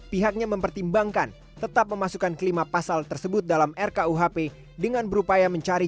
pihaknya mempertimbangkan tetap memasukkan kelima pasal tersebut dalam rkuhp dengan berupaya mencari